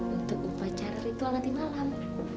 untuk upacara ritual nanti malam